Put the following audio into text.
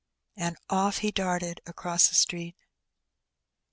'' And off he darted across the street.